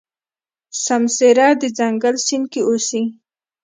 سمسيره د ځنګل سیند کې اوسي.